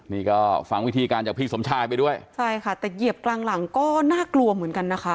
นี่ก็ฟังวิธีการจากพี่สมชายไปด้วยใช่ค่ะแต่เหยียบกลางหลังก็น่ากลัวเหมือนกันนะคะ